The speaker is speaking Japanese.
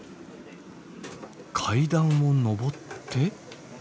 階段を上って。